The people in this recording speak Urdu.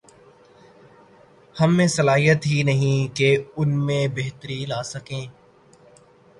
ہم میں وہ صلاحیت ہی نہیں کہ ان میں بہتری لا سکیں۔